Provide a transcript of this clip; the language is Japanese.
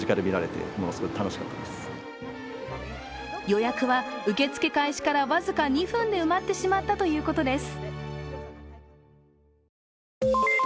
予約は受付開始から僅か２分で埋まってしまったということです。